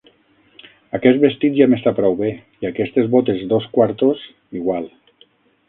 Aquest vestit ja m’està prou bé, i aquestes botes dos quartos igual.